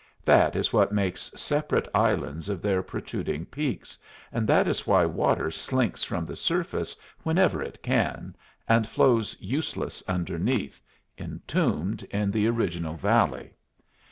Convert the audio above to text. That is what makes separate islands of their protruding peaks, and that is why water slinks from the surface whenever it can and flows useless underneath, entombed in the original valley.